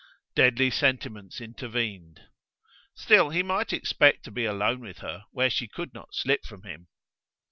Deadly sentiments intervened. Still he might expect to be alone with her where she could not slip from him.